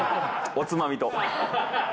おつまみと。